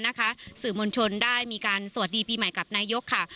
นายกหยุดไหว้นั้นนะคะสื่อมณชนได้มีการสวัสดีปีใหม่กับนายกค่ะ